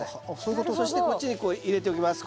そしてこっちにこう入れておきます